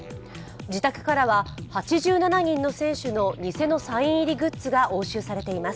自宅からは８７人の選手の偽のサイン入りグッズが押収されています。